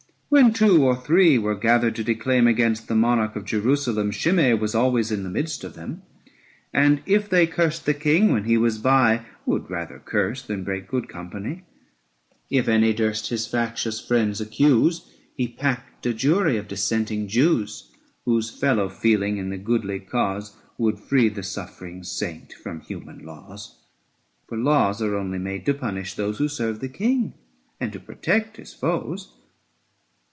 600 When two or three were gathered to declaim Against the monarch of Jerusalem, Shimei was always in the midst of them : And, if they cursed the King when he was by, Would rather curse than break good company. 605 If any durst his factious friends accuse, He packed a jury of dissenting Jews ; Whose fellow feeling in the godly cause Would free the suffering saint from human laws : For laws are only made to punish those 610 Who serve the King, and to protect his foes.